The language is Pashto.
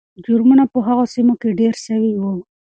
جرمونه په هغو سیمو کې ډېر سوي وو.